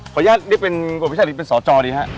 ขออนุญาตนี่เป็นประวัติศาสตร์หรือเป็นสจดีครับ